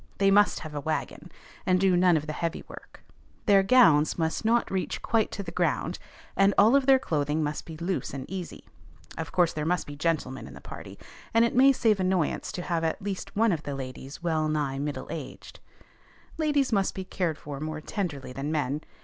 They must have a wagon, and do none of the heavy work; their gowns must not reach quite to the ground, and all of their clothing must be loose and easy. Of course there must be gentlemen in the party; and it may save annoyance to have at least one of the ladies well nigh "middle aged." Ladies must be cared for more tenderly than men.